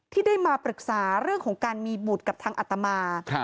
ที่ได้มาปรึกษาเรื่องของการมีบุตรกับทางอัตมา